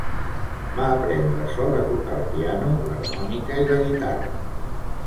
Va aprendre sol a tocar el piano l'harmònica i la guitarra.